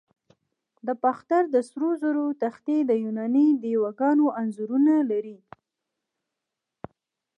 د باختر د سرو زرو تختې د یوناني دیوگانو انځورونه لري